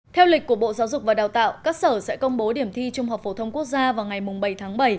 theo lịch của bộ giáo dục và đào tạo các sở sẽ công bố điểm thi trung học phổ thông quốc gia vào ngày bảy tháng bảy